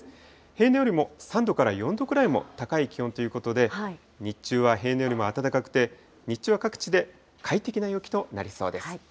平年よりも３度から４度くらいも高い気温ということで、日中は平年よりも暖かくて、日中は各地で快適な陽気となりそうです。